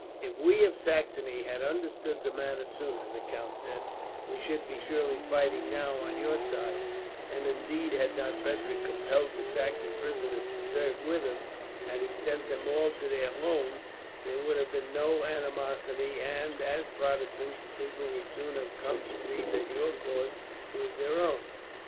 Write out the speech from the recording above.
"If we of Saxony had understood the matter sooner," the count said, "we should be surely fighting now on your side; and indeed, had not Frederick compelled his Saxon prisoners to serve with him, had he sent them all to their homes, there would have been no animosity and, as Protestants, the people would soon have come to see that your cause was their own.